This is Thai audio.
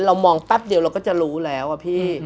เรามองแป๊บเดียวเราก็จะรู้แล้วอะพี่